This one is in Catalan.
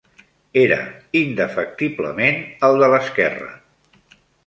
Era indefectiblement el de l'esquerra;